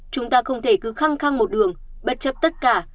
chúng ta không thể cứ khăng khăng một đường bất chấp tất cả